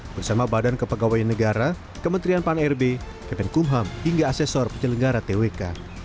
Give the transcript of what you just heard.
bersama badan kepegawai negara kementerian pan rb kepen kumham hingga asesor penyelenggara twk